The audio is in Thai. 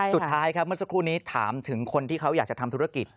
สุดท้ายครับเมื่อสักครู่นี้ถามถึงคนที่เขาอยากจะทำธุรกิจ